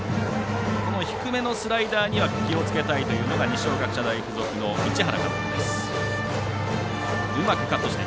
低めのスライダーには気をつけたいというのが二松学舎大付属の市原監督です。